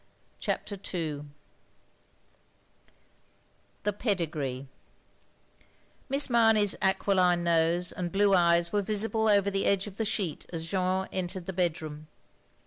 CHAPTER II THE PEDIGREE Miss Marney's aquiline nose and blue eyes were visible over the edge of the sheet as Jeanne entered the bedroom.